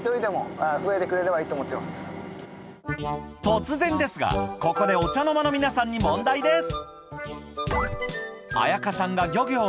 突然ですがここでお茶の間の皆さんに問題です